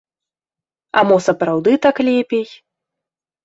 А мо сапраўды так лепей?